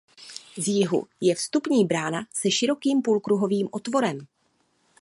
Z jihu je vstupní brána se širokým půlkruhovým otvorem.